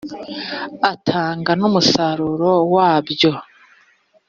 atanga n umusanzu wabyo